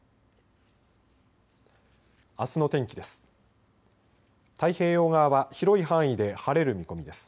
あすの天気です。